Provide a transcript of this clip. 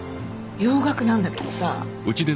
洋楽なんだけどさ